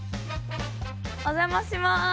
お邪魔します。